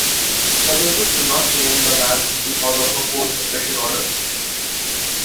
The papers could not name the man because of a court suppression-order.